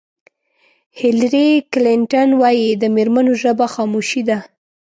هېلري کلنټن وایي د مېرمنو ژبه خاموشي ده.